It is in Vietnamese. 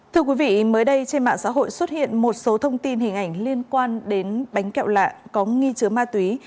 thưa quý vị mới đây trên mạng xã hội xuất hiện một số thông tin hình ảnh liên quan đến bánh kẹo lạ có nghi chứa ma túy